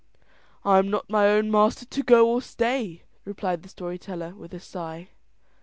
"I'm not my own master to go or stay," said the story teller, with a sigh.